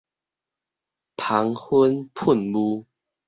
芳芬噴霧